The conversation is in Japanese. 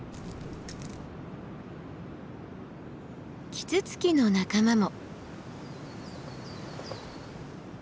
キツツキの仲間も。